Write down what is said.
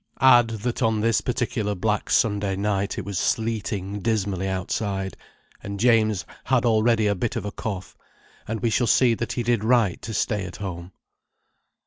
Add that on this particular black Sunday night it was sleeting dismally outside, and James had already a bit of a cough, and we shall see that he did right to stay at home.